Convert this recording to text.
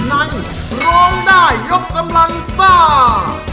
ในรองด้ายกำลังซ่า